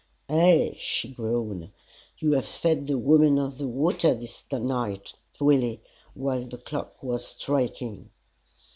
"Ay," she groaned, "you have fed the Woman of the Water this night, Willie, while the clock was striking."